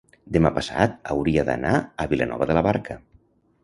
demà passat hauria d'anar a Vilanova de la Barca.